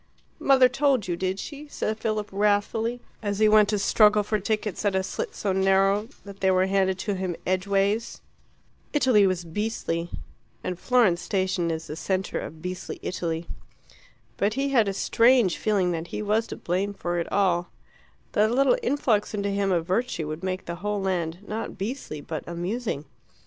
"Mother told you, did she?" said Philip wrathfully, as he went to struggle for tickets at a slit so narrow that they were handed to him edgeways. Italy was beastly, and Florence station is the centre of beastly Italy. But he had a strange feeling that he was to blame for it all; that a little influx into him of virtue would make the whole land not beastly but amusing.